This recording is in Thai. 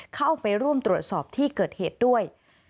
เข้าไปร่วมตรวจสอบที่เกิดเหตุด้วย